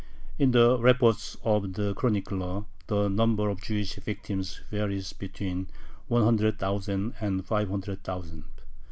In the reports of the chroniclers the number of Jewish victims varies between one hundred thousand and five hundred thousand.